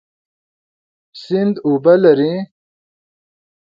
سیند اوبه لري.